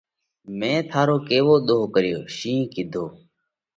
مئين ٿارو ڪيوو ۮوه ڪريوه؟ شِينه ڪِيڌو: